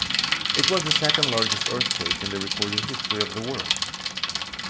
It was the second largest earthquake in the recorded history of the world.